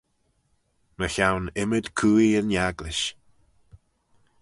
Mychione ymmyd cooie yn agglish.